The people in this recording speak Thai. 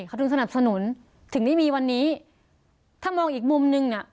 เขาถึงสนับสนุนถึงได้มีวันนี้ถ้ามองอีกมุมนึงน่ะ